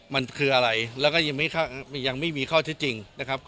มันคืออะไรแล้วก็ยังไม่มีข้อที่จริงนะครับ